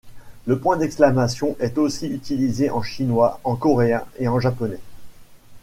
Le point d'exclamation est aussi utilisé en chinois, en coréen et en japonais.